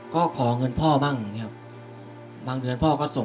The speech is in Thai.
ก็ของเงินพ่อบ้างบางเรือนพ่อก็ส่งให้บ้าง